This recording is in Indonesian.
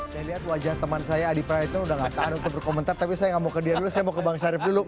saya lihat wajah teman saya adi praetno udah gak tahan untuk berkomentar tapi saya nggak mau ke dia dulu saya mau ke bang syarif dulu